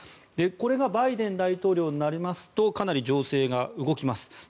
これがバイデン大統領になりますとかなり情勢が動きます。